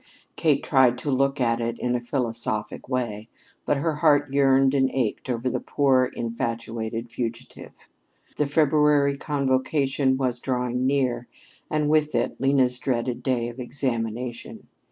Kate tried to look at it in a philosophic way, but her heart yearned and ached over the poor, infatuated fugitive. The February convocation was drawing near, and with it Lena's dreaded day of examination.